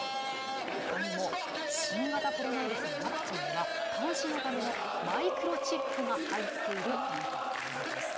ほかにも、新型コロナウイルスのワクチンには監視のためのマイクロチップが入っているなどといったものです。